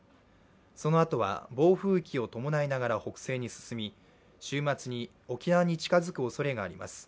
そのあとは暴風域を伴いながら北西に進み、週末に沖縄に近づくおそれがあります。